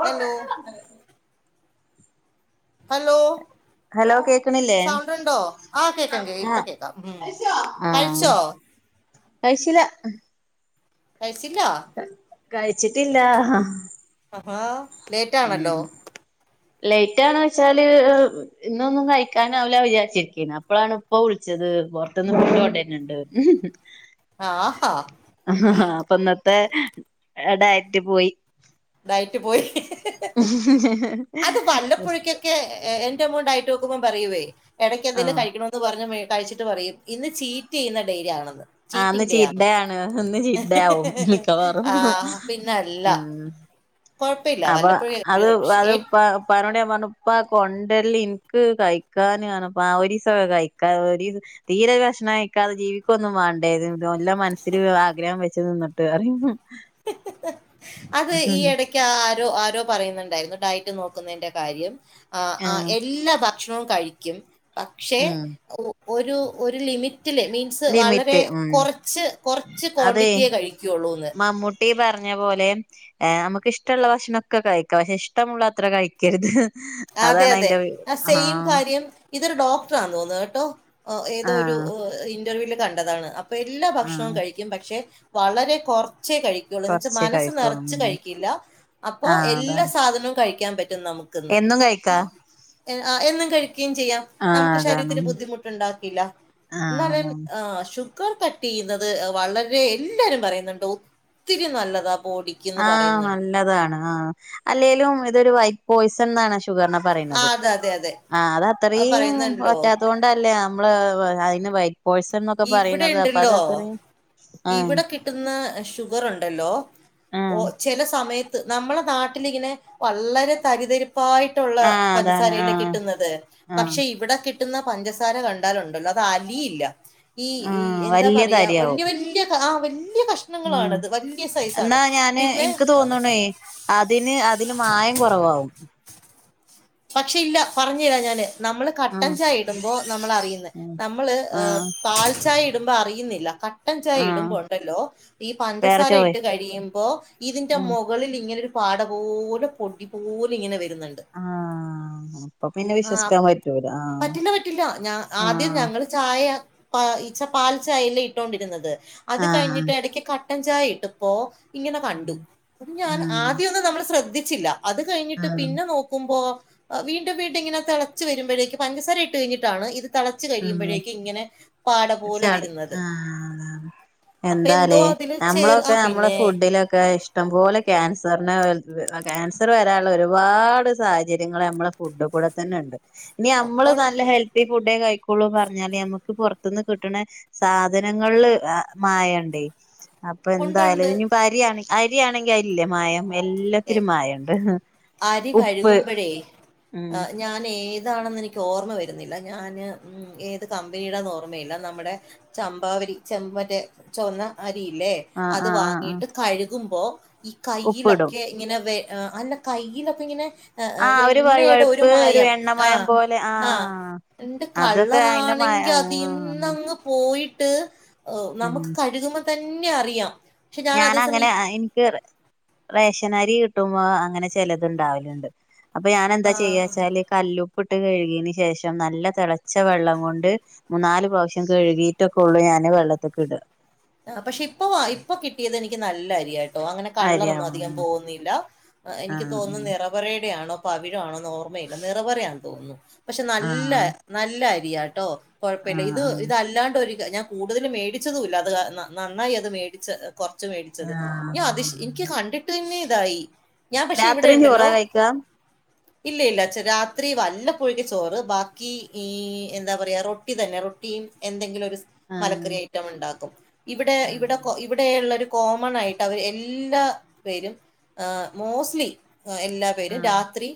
Hello hello hello കേക്കണില്ലേ sound ഉണ്ടോ ആ കേക്കാം കേ ഇപ്പൊ ആഹ് കേക്കാം ഉ ആഹ് കഴിച്ചോ കഴിച്ചില്ല കഴിച്ചില്ല കഴിച്ചിട്ടില്ല ആ ലേറ്റാണല്ലോ ലേറ്റ ണെന്ന് വെച്ചാല് ഇന്നൊന്നും കഴിക്കാനാവില്ല വിചാരിച്ചിരിക്കേ അപ്പോഴാണ് ഇപ്പ വിളിച്ചത് പുറത്തുന്ന് വീട്ടോണ്ടന്നെണ്ട് ആഹാ ആ അപ്പൊ ഇന്നത്തെ എടയാട്ട് പോയി ഐറ്റ് ട്ട പോയി അത് വല്ലപ്പോഴക്കൊക്കെ എമൗണ്ട് ആയിട്ട നോക്കുമ്പോൾ പറയുവേ ഇടക്ക എന്തെലും ആഹ് കഴിക്കണ എന്ന് പറഞ്ഞ കഴിച്ചിട്ട് പറയും ഇന്ന് ചീറ്റ് ചെയ്യുന്നഡേറ്റ് ആണെന്ന് ആഹ് ഇന്ന് ചീറ്റിനും ഡേ ചീറ്റ് ആണ് ഇന്ന് ചീറ്റ് ഡേ ആവും മിക്കവാറും ആ പിന്നല്ല ഉം കൊഴപ്പില്ല അപ്പൊ അത് അത് വല്ലപ്പോഴും പ പതിനോട പറഞ്ഞ പ്പ കൊണ്ടര ല്ല എനിക്ക് കഴിക്കാനപ്പ ആ ഒരുസ കഴിക്കാ തീരെ ഭക്ഷണക്കാതെ ജീവിക്കൊന്നും വേണ്ട എല്ലാം മനസ്സിൽ ആഗ്രഹം വെച്ചു നിന്നിട്ട് അറ അത് ഈ എടക്കാ രു ആരോ പറയുന്നുണ്ടാരുന്നു ഡയറ്റെ നോക്കുന്നേന്റെ കാര്യം ആ ആ ആഹ് എല്ലാ വർ - ഭക്ഷണോം കഴിക്കും പക്ഷെ ഉം ഒ ഒരു ലിമിറ്റ് മീറ്റില്ലേ മീൻസ് വളരെ ലിമിറ്റ് ഉം കൊറച്ച് കൊ റച്ച് ക്വാണ്ടിറ്റിയെ കഴിക്കള്ളൂന്ന് ട്ടീ പറഞ്ഞ പോലെ ഏ നമുക്കിഷ്ട്ടു ള്ള ഭക്ഷണം മൊക്കെ കഴിക്കാം പക്ഷെ ഇഷ്ടമുള്ളത്ര കഴിക്കരുത് അതെ അതാണ് അതെ അയിന്റെ ആ ആഹ് സെയിം കാര്യം ഇതൊരു ഡോക്ടറാന്ന് തോന്നുന്നു കേട്ടോ ഏതോ ഒരു ആഹ് ഇന്റർവ്യൂവിൽ കണ്ടതാണ് പ്പം എല്ലാ ഭക്ഷണോം ആഹ് കഴിക്കും പക്ഷെ വളരെ കൊറച് ച്ചേ കഴിക്കുള്ളൂ എന്നെച്ചാൽ കൊറച്ചേ മനസ്സ് കഴിക്കുള്ളൂ ഉം നിറച്ച് കഴിക്കില്ല അപ്പൊ ആഹ് എല്ലാ അതാണ് സാധനോം കഴിക്കാൻ പറ്റും നമുക്കിന്ന് എന്നും കഴിക്കാ ആ എന്നും കഴിക്ക് ക്കേം ചെയ്യാം ആഹ് നമുക്ക് ശരീരത്തിന് അതാണ് ബുദ്ധിമുട്ടുണ്ടാക്കില്ല ആഹ് എന്നാലും അതാണ് ഷുഗ് ക്കർ കട്ടു ചെയ്യുന്നതെ വളരെ എല്ലാവരും പറയുന്നുണ്ട് ഒത്തിരി നല്ലതാ ബോഡിക്ക് എന്ന് ആ പറയുന്നുണ്ട് നല്ലതാണ് ആ അല്ലേലും ഇതൊരു വൈറ്റ് പോയ്സൺ എന്നാണ് ഷുഗറിനെ ആ പറയണത് അതെ അതെ അതെ ആ ആ, അതത്രേം പറയുന്നുണ്ടല്ലോ പറ്റാത്തോണ്ടല്ലേ ആ നമ്മള് അതിന് വൈറ്റ് പോയസൺ എന്നൊക്കെ ഇവിടെ പറയുന്നത് അപ്പൊ ഉണ്ടല്ലോ അതത്രേം ആ ഇവിടെ കിട്ടുന്ന ഷുഗർ ഉണ്ടല്ലോ ഓ ആഹ് ചില സമയത്ത് നമ്മളെ നാട്ടിലിങ്ങനെ വള്ളരെ തരിതരിപ്പ്‌ ഉറപ്പായിട്ടുള്ള ആഹ് അതാണ് പഞ്ചസാരല്ലേ ആഹ് കിട്ടുന്നത് ആഹ് പക്ഷെ ഇവിടെ കിട്ട് കിട്ടുന്ന പഞ്ചസാര കണ്ടാലുണ്ടല്ലോ അത് അലിയില്ല ഈ ആഹ് എന്താ പറയാ വലിയ വലിയ ആ വല്യ ഉ എന്നാ ഞാനെ പിന്നെ എനിക്ക് തോന്നണേ അതിന് അതില് മായം കുറവാവും പക്ഷെ ഇല്ല പറഞ്ഞു തരാ ഞാനെ നമ്മളു കട്ടൻ ആഹ് ചായ ഇടുമ്പോ നമ്മൾ അറിയുന്നെ ആഹ് നമ്മളെ ഏ ആഹ് പാൽ ചായ ഇട് ടുമ്പം അറിയുന്നില്ല കട്ട് ട്ടൻ ചായ ആഹ് ഇടുമ്പോ ഉണ്ടല്ലോ ഈ വേറെ പഞ്ചസാര ചോയ് ഇട്ട് കഴിയുമ്പോ ഇതിന്റെ ആഹ് മൊകളിൽ ഇങ്ങനെ ഒരു പാടപോലും പൊടി പോലിങ്ങനെ വരുന്നുണ്ട്- ആഹ് അപ്പൊ പിന്നെ ആഹ് വിശ്വസിക്കാൻ പറ്റൂല ആഹ് പറ്റില്ല പറ്റില്ല ഞാ ആദ്യം ആഹ് ഞങ്ങള് ചായ- ആഹ് ഇച പാൽ ചായയല്ലേ ഇട്ടോണ്ടിരുന്നത് അത് ആഹ് കഴിഞ്ഞിട്ട് ഇടക്ക് കട്ടൻ ചായ ഇട്ടപ്പോ- ഇങ്ങനെ കണ്ടു ഉം ഞാൻ ആദ്യമൊന്നും നമ്മള് ശ്രദ്ധിച്ചില്ല അത് കഴിഞ്ഞിട്ട് ഉം പിന്നെ നോക്കുമ്പോ- ആഹ് വീണ്ടും വീണ്ടും ഇങ്ങനെ തെളച്ച് വരുമ്പഴേക്ക് പഞ്ചസാര ഇട്ട് കഴിഞ്ഞിട്ടാണ് ഇത്- തെളച്ച് ഉം കഴിയുമ്പഴേക്ക് ഇങ്ങനെ ഒരു പാടപോലെ ചളി വര്ന്നത്- ആഹ് അതാണ് എന്താലേ നമ്മളൊക്കെ നമ്മളെ ഫുഡിലൊക്കെ ഇഷ്ടം പോലെ ക്യാൻസറിനെ- ആഹ് ക്യാൻസറു വരാനുള്ള ഒരുപാട് സാഹചര്യങ്ങള് നമ്മടെ ഫുഡ്ഡു കൂടെ തന്നെ ഉണ്ട്- ഇനി ഒ അമ്മള് നല്ല ഒണ്ട് ഹെൽത്തി ഫുഡേ കഴിക് ക്കുളുന്ന് പറഞ്ഞാലെ നമ്മക്ക് പുറത്തൂന്ന് കിട്ടണ സാധനങ്ങളില് ആഹ് മായൊണ്ടേ- അപ്പൊ എന്തായാലും ഒണ്ട് ഇനിപ്പോ അരിയാണ അരിയാണെങ്കി അയില്ലേ മായ- എല്ലാത്തിനും മായൊണ്ട് അരി ഉപ്പ് കഴുകുമ്പഴേ ഉം- എതാണെന്ന് എനിക്ക് ഓർമ്മ വരുന്നില്ല ഞന് ഏത് കമ്പനിയുടെന്ന് ഓർമ്മയില്ല നമ്മുടെ ചമ്പാ വരി ചെമ്പാമറ്റേ ചൊവന്ന അര രിയില്ലേ ആഹ് അത് ആഹ് ആഹ് ആഹ് വാങ്ങീട്ട് കഴുകുമ്പോ ഈ കൈയ്ലൊ ഉപ്പിടും ഇങ്ങനെ വെ അ അല്ല കൈയ്യിലൊക്കെ ഇങ്ങനെ- ആഹ് ആ ഒരു എണ്ണയുടെ ഒരു വഴുവഴുപ്പ് മായം എണ്ണമയം ആഹ് പോലെ ആഹ് - എന്റെ അതൊക്കെ അയിന്റെ മയ കളറാണെങ്കി ആഹ് അതീന്നങ്ങ് പോയി ട്ട് ഓ നമുക്ക് കഴുകുമ്പത്തന്നെ അറിയാം - ഞാന അങ്ങനെ ആ എനിക്റ്- റേഷനരി കിട്ടുമ്പോ അങ്ങനെ ചെലതുണ്ടാവലുണ്ട് അപ്പൊ ഞാനെന്താ ആഹ് ചെയ്യച്ചാല് കല്ലുപ്പ് പ്പിട്ട് കഴുകിയന് ശേഷം നല്ല തെളച്ച വെള്ളം കൊണ്ട് മൂന്നാല് പ്രാവശ്യം കഴുകിട്ടൊക്കെ ഉള്ളൂ ഞാൻ- അങ്ങനെ വെള്ളത്തേക്കിട്ക- ആഹ് പക്ഷെ ഇപ്പൊ വാ ഇപ്പൊ കിട്ടിയത് എനിക്ക് നല്ല അരിയാ- ട്ടൊ അങ്ങനെ കള്ളറൊന്നും അധികം അരിയാവുന്ന പോകുന്നില്ല എനിക്ക് തോന്നി ആഹ് നിറപറേടെ ആണോ? പവിഴാണോ ന്ന് ഓർമ്മയില്ല നിറപറയാണെന്ന് തോന്നുന്നു പക്ഷെ നല്ല ആഹ് നല്ല അരിയാട്ടോ. കുഴപ്പമില്ല ആഹ് ഇത് ആഹ് ഇതല്ലാണ്ട് ഒരു ഞാൻ കൂടുതലും മേടിച്ചതൂല്ല അത് കാരണം നന്നായി അത് മേടിച്ചത്. കൊറച്ച് മേടിച്ചത് ഞാ ആഹ് അതിഷ് എനിക്ക് ആഹ് കണ്ടിട്ട് തന്നെ ഇതായി. ഞാൻ പക്ഷെ ഇവിടെ രാത്രിയും ചോറാ ഇണ്ടല്ലോ. കഴിക്കാ ഇല്ല ഇല്ല രാത്രി വല്ലപോഴൊക്കെ ചോറ് ബാക്കി ഈ എന്താ പറയാ റൊട്ടി തന്നെ റൊട്ടി. എന്തെങ്കിലും ഒരു ആഹ് മലക്കറി ഐറ്റം ഉണ്ടാക്കും ഇവിടെ ആഹ് ഇവിടെ ഇവിടെ ഉള്ളൊരു കോമൺ ആയിട്ട് അവർ എല്ലാ പേരും ഏ മോസ്ലീ എല്ലാപേരും ആഹ് രാത്രി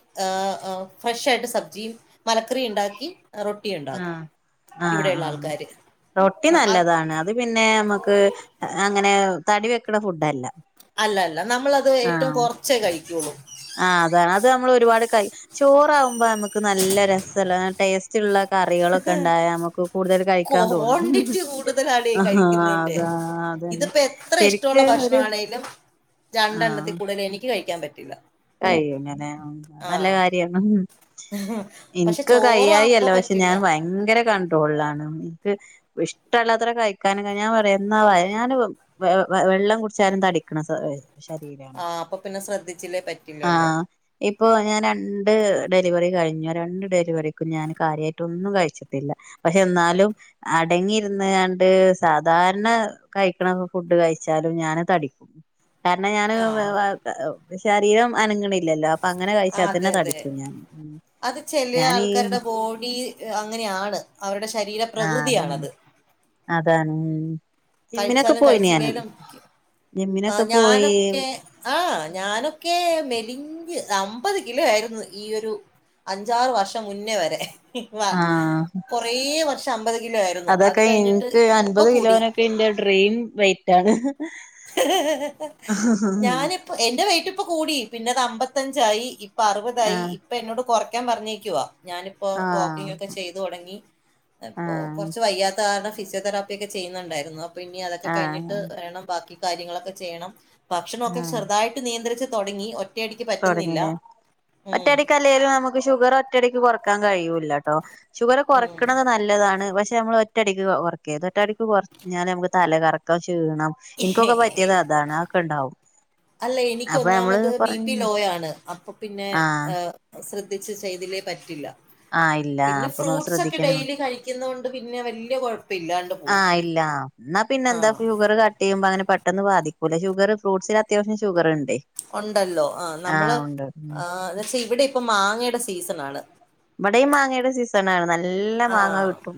ഫ്രഷ് ആയിട്ട് സബ്ജിയും മലക്കറിയും ഉണ്ടാക്കി റൊട്ടി ഉണ്ടാക്കും ആഹ് ആഹ് ഇവിടെയുള്ള ആ ആൾക്കാർ റൊട്ടി നല്ലതാണ് അത്പിന്നെ നമക്ക് ക്ക് അങ്ങനെ തടി വെക്ക്ണ ഫുഡല്ല. അല്ല അല്ല നമ്മളത് ഏറ്റവും ആഹ് കുറച്ചേ കഴിക്കൂവൊള്ളു. ആഹ് അതാണ് അത് നമ്മൾ ഒരുപാട് കഴി ചോറാവുമ്പോ നമ്മക്ക് നല്ല രസല്ലേ ടേസ്റ്റുള്ള കറികളൊക്കെ ഉണ്ടായാൽ നമുക്ക് കൂടുതൽ കഴിക്കാൻ തോന്നും ക്വാണ്ടിറ്റി കൂടുതലാണ് ഈ ആ [unintelligible] കഴിക്കുന്നതിന്റെ അത് തന്നെ ഇതിപ്പോ എത്ര ഇഷ്ടമുള്ള ശരിക്ക് ഒര് ഭക്ഷണമാണേലും രണ്ടെണ്ണത്തിൽ കൂടുതൽ എനിക്ക് കഴിക്കാൻ പറ്റില്ല. കഴിയെങ്ങനെ അത് ആ നല്ല കാര്യാണ് പക്ഷെ ഇൻക്ക് ചോറാകുമ്പോ കഴിയായല്ല പക്ഷെ പറ്റില്ല ഞാൻ ഭയങ്കര കണ്ട്രോളിലാ. എനിക്ക് ഇഷ്ടള്ളത്ര കഴിക്കാൻ ഞാൻ പറിം എന്നാ ഞാൻ വെള്ളം കുടി ചാലും തടിക്ക്ണ സ്വ ആഹ് അപ്പൊ പിന്നെ ശ്രദ്ധിച്ചില്ലേ പറ്റില്ലല്ലോ ഇപ്പോൾ ഞാൻ രണ്ട് ഡെലിവറി കഴിഞ്ഞു രണ്ട് ഡെലിവറിക്കും ഞാൻ കാര്യായിട്ടൊന്നും കഴിച്ചിട്ടില്ല. പക്ഷേ ഇന്നാലും അടങ്ങിയിര്ന്ന്ങ്ങാണ്ട് സാധാരണ കഴിക്ക്ണ ഫുഡ് കഴിച്ച ചാലും ഞാന് തടിക്കും കാരണം ഞാന് ആ ശരീരം അനങ്ങ്ണ് ല്ലല്ലാ അപ്പൊ അങ്ങനെ ആ, കഴിച്ചാൽ തന്നെ അതെ അതെ തടിക്കും ഞാൻ അത് ചെലേ ഞാനീ ആൾക്കാരുടെ ബോഡി അങ്ങനെയാണ് അവരുടെ ശരീര പ്രകൃതിയാണത് അതാൺ കഴിച്ചാലും കഴിച്ചില്ലേലും ജിമ്മിനൊക്കെ ആഹ് പോയി ഞാനൊക്കെ ആഹ് ഞാനൊക്കേ മെലിഞ്ഞ് അമ്പത് കിലോ ആയിരുന്നു ഈ ഒരു അഞ്ചാറ് വർഷം മുന്നേ വരെ വ ആഹ് കൊറേ വർഷം അമ്പത് കിലോ ആയിരുന്നു അത് അതൊക്കെ കഴിഞ്ഞിട്ട് എനിക്ക് ഇപ്പൊ അൻപത് കൂടി കിലോനൊക്കെ എന്റെ ഡ്രീം വെയിറ്റാണ് ഞാനിപ്പം എന്റെ വെയിറ്റ് ഇപ്പം കൂടി പിന്നതമ്പത്തഞ്ചായി ഇപ്പ അുറുപതായി ആഹ് ഇപ്പൊ എന്നോട് കൊറയ്ക്കാൻ പറഞ്ഞേക്കുവാ ഞാനിപ്പോ ആഹ് വാക്കിംഗ് ഒക്കെ ചെയ്തു തുടങ്ങി ഇപ്പോ ആഹ് കൊർച്ച് വയ്യാത്ത കാരണം ഫിസിയോതെറാപ്പി ഒക്കെ ചെയ്യുന്നുണ്ടായിരുന്നു അപ്പൊ ഇനി അതൊക്കെ കഴിഞ്ഞിട്ട് ആഹ് വേണം ബാക്കി കാര്യങ്ങളൊക്കെ ചെയ്യണം ഭക്ഷണ ഒക്കെ ചെറുതായിട്ട് നിയന്ത്രിച്ചു തുടങ്ങി ഒ തൊടങ്ങില്ലെ ഒറ്റടിക്ക് അല്ലേലും നമുക്ക് ഷുഗർ ഒറ്റടിക്ക് കൊറക്കാൻ കഴിയൂ ല്ലട്ടോ ഷുഗർ ഉം കുറക്ക്ണത് നല്ലതാണ് പക്ഷേ പക്ഷേ നമ്മൾ ഒറ്റടിക്ക് കുറക്കരുത് ഒറ്റടിക്ക് കുറഞ്ഞാ നമക്ക് തല കറക്കോ ക്ഷീണം ഇൻക്കൊക്കെ പറ്റിയത് അതാണ് അതൊക്കെ ഇണ്ടാവും അല്ല എനിക്ക് അപ്പൊ ഞമ്മള് ഒന്നാമത് ബി പി പർഞ്ഞൊ ലോ ആണ് അപ്പൊ പിന്നെ ഹേ ശ്രദ്ധിച്ച് ചെയ്തില്ലേൽ പറ്റില്ല ആഹ് ഇല്ല പിന്നെ അപ്പൊ ഫ്രൂട്ട്സൊക്കെ ശ്രദ്ധിക്കന്നെ ഡെയിലി കഴിക്കുന്നതു കൊണ്ട് പിന്നെ വല്ല്യ കൊഴ്പ്പല്ലാണ്ട് പോകും ആഹ് ന്നാ പിന്നെ എന്താ ഫ്യൂവറ് കട്ട് ചെയ്യുമ്പോ അങ്ങനെ പെ ട്ടെന്ന് ബാതിക്കൂല്ല ഷുഗറ് ഫ്രൂട്സിൽ അത്യാവശ്യം ഷുഗറുണ്ട് ഉണ്ടല്ലോ ആ നമ്മള് ആഹ് എന്ന് വച്ചാ ഇവിടെ ഇപ്പം മാങ്ങയുടെ സീസണാണ് ഇവടേം മാങ്ങേടെ സീസണാണ് നല്ല ല്ല മാങ്ങാ ആഹ് കിട്ടും.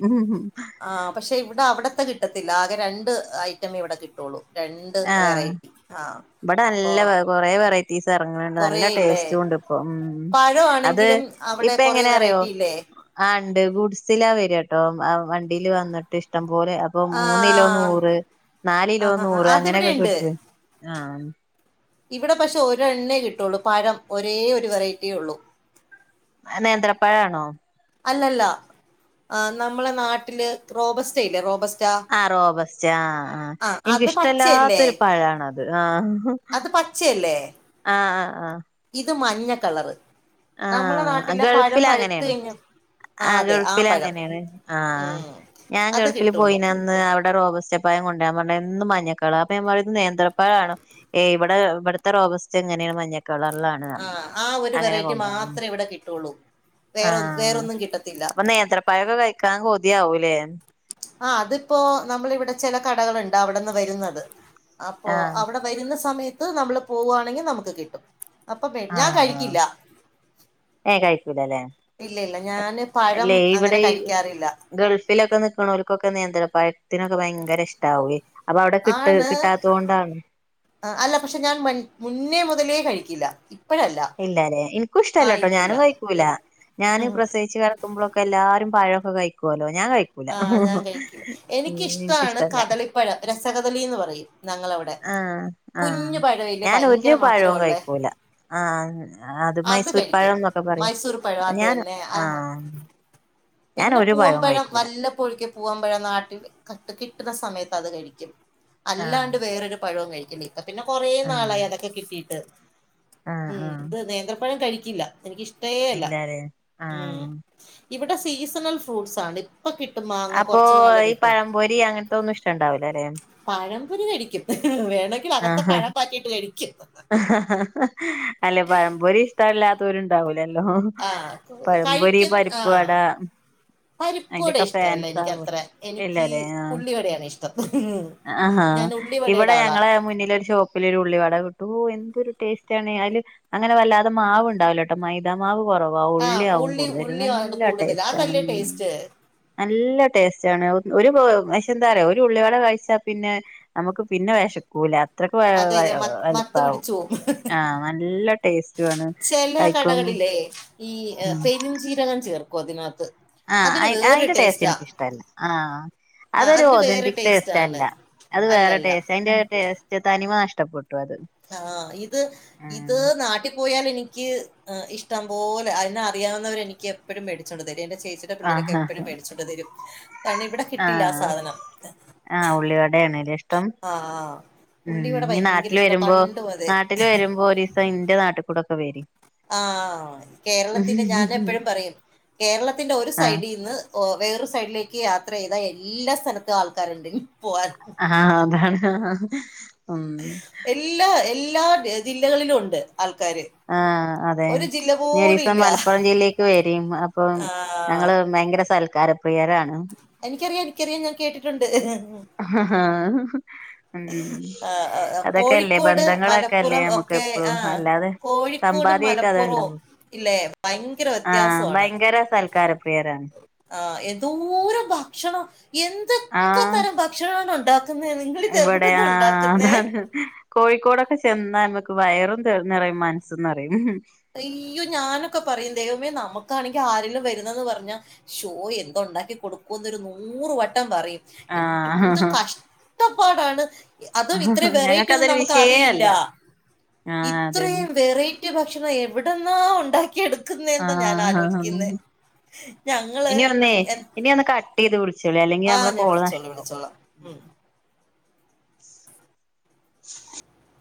ആഹ് പക്ഷെ ഇവിടെ അവിടത്തെ കിട്ടത്തില്ല ആകെ രണ്ട് ഐറ്റമേ ഇവടെ കിട്ടുള്ളൂ രണ്ട് വെറൈറ്റി ആഹ് ഇബടെ അപ്പൊ നല്ല വെ കൊറെ വെറെ റ്റീസ് ഏറങ്ങണിണ്ട് നല്ല കൊറേയില്ലേ ടേസ്റ്റുവോണ്ട് ഇപ്പോ ഉം അത് അവടെ ഇപ്പ കൊറേ എങ്ങനെ അറിയോ വെറൈറ്റി ഇല്ലേ? ആഹ് ഇണ്ട് ഗുഡ്സിലാ വര്യട്ടോ വണ്ടീല് വന്നിട്ട് ഇഷ്ടം പോലെ അപ്പോ മൂന്നിലോ ആഹ് നൂറ് നാ നാല്കിലോ ആഹ് ആഹ് നൂറ് അങ്ങനെക്കെ കിട്ടുവേ ആഹ് ഇവടെ പഷേ ഒരണ്ണേ കിട്ടുള്ളു പഴം ഒരേ ഒരു വെറൈറ്റിയേ ഒള്ളു. അത് നേന്ത്രപ്പഴാണോ? അല്ലല്ല ആഹ് നമ്മളെ നാട്ടില് റോബസ്റ്റയില്ലേ റോബസ് ആഹ് റോബസ്റ്റ് ആഹ് ആഹ് അത് പച്ചയല്ലേ എനിക്ക്‌ഷ്ടല്ലാത്തൊരു പഴാണത് ആഹ് അത് പച്ചയല്ലേ? ആഹ് ആഹ് ആഹ് ഇത് മഞ്ഞ കളറ് നമ്മളെ ആഹ് നാട്ടിലെ പഴം പഴുത്ത് ഗൾഫിലങ്ങനേയാണ് കഴിഞ്ഞ ആ ആഹ് അതെ ആ പഴം ഗൾഫിലങ്ങനേണ് ആഹ് ഉം ഞാൻ അത് ഗൾഫില് കിട്ടുള്ളൂ പോയിനന്ന് അവടെ റോബസ്റ്റപ്പഴം കൊണ്ട്രാരൻ പറഞ്ഞാ എന്നും മഞ്ഞക്കളറ് അപ്പോ ഞാൻ പറയും ഇത് നേന്ത്രപ്പഴാണ് ഏയ് ഇവടെ ഇവടുത്തെ റോബ സ്റ്റാ ഇങ്ങനെയാ മഞ്ഞക്കളറിലാണ് ആ റഞ്ഞു ആ ഒരു അങ്ങനെ വെറൈറ്റി [unintelligible] [inaudible] മാത്രമേ ഇവിടെ കിട്ടുള്ളൂ വേറൊ ആഹ് വേറൊന്നും കിട്ടത്തില്ല അപ്പോ നേന്ത്രപ്പഴൊക്കെ കഴിക്കാൻ കൊ തിയാവൂലേ ആഹ് അതിപ്പോ നമ്മളവിടെ ചെല കടകള് ണ്ടാവടെന്ന് വരുന്നത്. അപ്പോ ആഹ് അവടെ വരുന്ന സമയത്ത് നമ്മള് പോകുവാണെങ്കി നമുക്ക് കിട്ടും. അപ്പോ മേട് ഞാൻ കഴിക്കില്ല. ഏയ് കഴിക്കൂല്ലല്ലേ ഇല്ല ഇല്ല അ ഞാന് പഴം അല്ലെ ഇവടെ അങ്ങനെ ഈ കഴിക്കാറില്ല ഗൾഫിലൊക്കെ നി ക്ക്‌ണോൽക്കൊക്കെ നേന്ത്ര പഴത്തിനൊക്കെ ഭയങ്കര ഇഷ്ടാവൊയ് ആണ് ആ അല്ല പക്ഷെ ഞാൻ മൻ മുന്നേ മുതലേ കഴിക്കില്ല ഇപ്പഴല്ല ഇല്ലാല്ലേ എനിക്കും ഇഷ്ടല്ല ആ അല്ലാട്ടോ ഇല്ല ഇല്ല ഞാനും കഴിക്കൂ ല ഞാന് പ്രസവിച്ച് കടക്കുമ്പോളൊക്കെ എല്ലാരും പഴൊക്കെ കഴിക്കോല്ലോ ആഹ് ഞാൻ കഴിക്കൂം എനിക്കിഷ്ടമാണ് എനിക്കിഷ്ടല്ല കതളിപ്പഴം രസകഥളിന്ന് പറയും. ഞങ്ങള വടെ ആഹ് ആഹ് കുഞ്ഞു പഴവില്ലേ ഞാൻ ഒരു ഭയങ്കര പഴവും മധുരംള്ളേ കഴിക്കൂല ആഹ് അത് മൈസൂർ കഴിക്കും പഴം എന്നൊക്കെ പറയും മൈസൂര് പഴം അതു ഞാൻ തന്നെ ആ ആഹ് ഞാൻ പിന്നെ ഒരു പഴവും പൂവമ്പഴം കഴിക്കൂല നല്ലപോഴിക്ക് പൂവമ്പഴം നാട്ടിൽ കട്ട് കിട്ടുന്ന സമയത്ത് അത് കഴിക്കും ആഹ് അല്ലാണ്ട് വേറൊരു പഴവും കഴിക്ക്‌ണില്ലപിന്നെ കൊറേ ആഹ് നാളായി അതൊക്കെ കിട്ടിയിട്ട് ആഹ് ഉം ആഹ് ഇത് നേന്ത്രപ്പഴം കഴിക്കില്ല എനിക്കിഷ് ട്ടേ അല്ല ഇല്ലാലേ ഉം ആഹ് ഇവിടെ സീസണൽ ഫ്രൂട്ട്സ് ആണ് കിട്ടും മാങ്ങ അപ്പൊ കുറച്ചു നാള് ഈ കിട്ടും പഴമ്പൊരി അങ്ങനത്തെ ഒന്നും ഇഷ്ടണ്ടാവൂല്ല ല്ലെ പുഞ്ഞനടിക്കും വേണമെങ്കിൽ അകത്ത പഴം പാറ്റിയിട്ട് കഴി അല്ലെ പഴംപൊരി ഇഷ്ടല്ലാത്തവരുണ്ടാവൂല ല്ലോ ആ പഴമ്പൊരി പരിപ്പ് വട പരിപ്പടെ ഇഷ്ടല്ല എനിക്കത്ര എനിക്ക് ഇല്ലല്ലേ ആഹ് ഉള്ളി വടെയാണ് ഇഷ്ടം ആഹാ ഞൻ ഇവിടെ ഞങ്ങളെ മുന്നിലൊരു ഷോപ്പിലൊരു ഉള്ളി വട കിട്ടൂഔ ന്തൊരു ടേസ്റ്റ് ആണ് അയ്ല് അങ്ങനെ വല്ലാതെ മാവ്ണ്ടാവല്ലട്ടോ മൈദാ മാവ് കുറവാ ആ ഉള്ളിയാവും ഉള്ളി കൂടുതലും ഉള്ളിയാണ് നല്ല കൂടുതൽ ടേസ്റ്റ് ആണ് ഉം അതല്ലേ ടേസ്റ്റ് നല്ല ടേസ്റ്റ് ആണ് ഔ ഒരു പ് പക്ഷന്താറിയോ ഒരു ഉള്ളിവട കഴിച്ചാ പിന്നെ നമുക്ക് പിന്നെ വെശക്കൂല അത്രക്ക് വെ അതെ വെ അതെ മത്ത് മത്ത് വെലുപ്പാവും പിടിച്ചു പോവും ആ നല്ല ടേസ്റ്റുആണ് കഴിക്കൊന്നും ല്ലെ ഈ അ് പെരും ചീരകം ചേർക്കും അതിനകത്ത് ആഹ് അതിന് അയ് വേറൊരു അയിന്റെ ടേസ്റ്റ് ടേസ്റ്റാ ഇന്ക്ക് ഇഷ്ടല്ല ആഹ് ആ അതൊരു അതിന് വേറെ ഓതന്റിക് ടേസ്റ്റ് ടേസ്റ്റാണ് അല്ല അത് വേറെ അല്ലല്ല ടേസ്റ്റ് അല്ല അത് വേറെ ടേസ്റ്റ് തനിമ നഷ്ടപ്പെട്ടു അത് ആ ഇത് ഉം ഇത് നാട്ടിൽ പോയാൽ എനിക്ക് ക്ക് ഇഷ്ടം പോലെ അതിനെ അറിയാവുന്നവര് എനിക്ക് എപ്പഴും മേടിച്ചോണ്ട് തരും ചേച്ചിട പിള്ളേരൊക്കെ ആഹ് എപ്പഴും മേടിച്ചുകൊണ്ട് തരും തന്ന ഇവിടെ കിട്ടില്ല ആ സാധനം ഉള്ളിവഡേയാണ് ആ ആ ഉള്ളിവട മം ഭയങ്കര നാട്ടില് ഇഷ്ട വരുമ്പോ പണ്ടും അതെ നാട്ടില് വരുമ്പോ ഒരിസം ഇന്റെ നാട്ടിൽ കൂടെക്കെ വരി ആ കേരളത്തിന് ഞാൻ എപ്പോഴും പറയും കേരളത്തിന്റെ ഒരു ആഹ് സൈഡീന്ന് ഓ വേറൊരു സൈഡിലേക്ക് യാത്ര ചെയ്താ എല്ലാ സ്ഥലത്തും ആൾക്കാരുണ്ട് പോവാൻ ആഹ് അതാണ് ഉം എല്ലാ എല്ലാ ജില്ലകളിലും ഉണ്ട് ആൾക്കാര് ആഹ് അതെ ഒരു ജില്ല ഇനി ഒരു പോലും ദിവസം ഇല്ല മലപ്പുറം ജില്ലേക്ക് വരിം അപ്പം ആഹ് ഞങ്ങള് ഭയങ്കര സൽക്കാരപ്രിയരാണ് എനിക്കറിയാം എനിക്കറിയാം ഞാൻ കേട്ടിട്ടുണ്ട് ഹഹആ മം ആഹ് അതൊക്കെല്ലേ കോഴിക്കോട് ബന്ധങ്ങളൊക്കെ അല്ലേ മലപ്പുറം നമുക്ക് ഒക്കെ എപ്പളും ആഹ് അല്ലാതെ കോഴിക്കോടും സമ്പാതി ആയിട്ട് അതെ മലപ്പുറവും ഉണ്ടാവള്ളൂ ഇല്ലേ ഭയങ്കര ആ വ്യത്യാസമാണ് ഭയങ്കര സൽക്കാര പ്രിയരാണ് ആ എ ദൂരം ഭക്ഷണം എന്തൊക്കെ ആഹ് തരം ഭക്ഷണമാണ് ഉണ്ടാക്കുന്നത് നിങ്ങൾ ഇത് ഇവിടെ എവിടുന്ന് ആ ഉണ്ടാക്കുന്നേ അതാണ് കോഴിക്കോടൊക്കെ ചെന്ന ന്മക്ക് വയറും നിറയും മനസും നിറയും അയ്യോ ഞാനൊക്കെ പറയും ദൈവമേ നമുക്കാണെങ്കി ആരെലും വരുന്നെന്ന് പറഞ്ഞാ ഷോ എന്തോ ഉണ്ടാക്കി കൊടുക്കുംന്ന് ഒരു നൂറ് വട്ടം പറയും എന്ത് ആഹ് കഷ്ടപ്പാടാണ് അതും ഇത്രയും വെറൈറ്റി ഒന്നും ഞങ്ങക്കതൊരു നമുക്ക് വിഷയേ അറിയില്ല അല്ല ആഹ് ഇത്രയും അതന്നെ വെറൈ ഭക്ഷണം എവിടെന്ന ഉണ്ടാക്കിയെടുത്ത് ക്കുന്ന എന്താ ഞാൻ ആഹ് ആലോചിക്കുന്നെ ഞങ്ങള് ഇനി ഒന്നേ ഇനി ഒന്ന് കട്ട് ചെയ്ത് വിളിച്ചോളി അല്ലെങ്കിൽ ആ നമ്മളെ ഞാൻ കോള് വിളിച്ചോളാ നഷ്ടാവും വിളിച്ചോളാ മം [unintelligible]